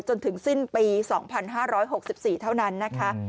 จนถึงสิ้นปี๒๕๖๔เท่านั้นนะคะ